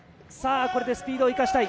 これでスピードを生かしたい。